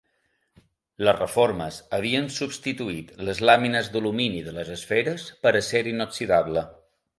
Les reformes havien substituït les làmines d'alumini de les esferes per acer inoxidable.